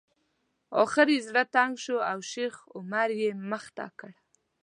اخر یې زړه تنګ شو او شیخ عمر یې مخې ته کړ.